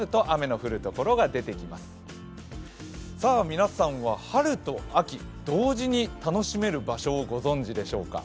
皆さんは春と秋、同時に楽しめる場所をご存じでしょうか。